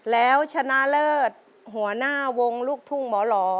แล้วชนะเลิศหัวหน้าวงลูกทุ่งหมอหล่อ